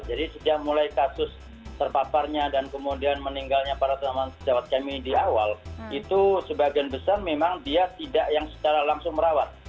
jadi sudah mulai kasus terpaparnya dan kemudian meninggalnya para teman teman sejawat kami di awal itu sebagian besar memang dia tidak yang secara langsung merawat